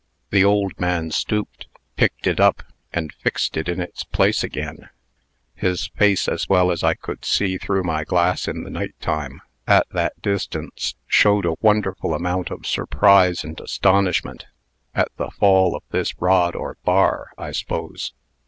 The old man stooped, picked it up, and fixed it in its place again. His face, as well as I could see through my glass in the night time, at that distance, showed a wonderful amount of surprise and astonishment at the fall of this rod or bar, I s'pose.